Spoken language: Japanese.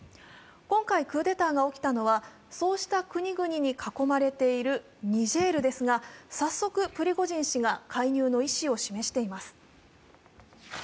今回、クーデターが起きたのはそうした国々に囲まれているニジェールですが早速プリコジン氏が介入の意思を示しています。